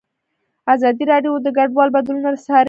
ازادي راډیو د کډوال بدلونونه څارلي.